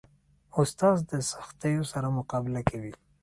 استاد د سختیو سره مقابله کوي.